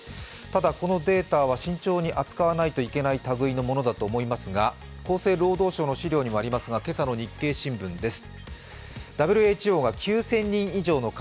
ただ、このデータは慎重に扱わないといけないたぐいのものだと思いますが、厚生労働省の資料にもありますが、今朝の日経新聞です。